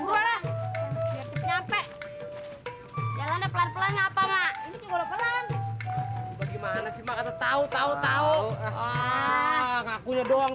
udah nyampe nyampe pelan pelan apa mak gimana sih maka tahu tahu tahu tahu ah ngakunya doang